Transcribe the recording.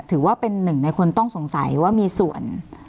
ถือว่าเป็นหนึ่งในคนต้องสงสัยว่ามีส่วน